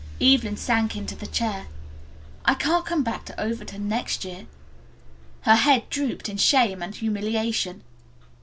Evelyn sank into the chair. "I can't come back to Overton next year." Her head drooped in shame and humiliation.